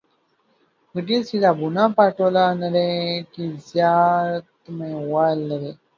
غږیز کتابونه په ټوله نړۍ کې زیات مینوال لري.